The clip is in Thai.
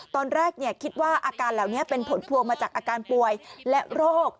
ตอนแรกคิดว่าอาการเหล่านี้เป็นผลพวงมาจากอาการป่วยและโรค